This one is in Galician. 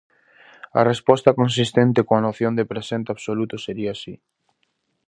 A resposta consistente coa noción de presente absoluto sería si.